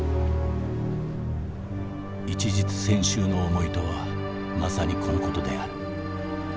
「一日千秋の思いとはまさにこのことである。